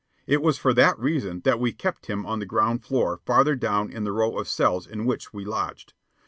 It was for that reason that we kept him on the ground floor farther down in the row of cells in which we lodged.